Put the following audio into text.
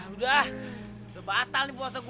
udah udah batal nih puasa gue